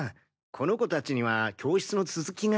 この子達には教室の続きが。